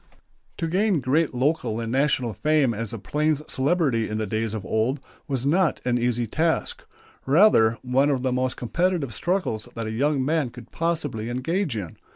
To gain great local and national fame as a plains celebrity in the days of old was not an easy task; rather one of the most competitive struggles that a young man could possibly engage in.